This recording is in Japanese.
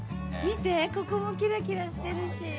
見てここもキラキラしてるし。